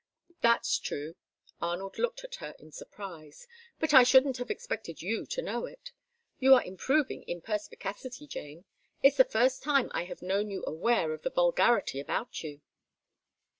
"That's true." Arnold looked at her in surprise. "But I shouldn't have expected you to know it. You are improving in perspicacity, Jane; it's the first time I have known you aware of the vulgarity about you."